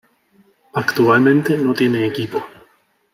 Actualmente no tiene equipo.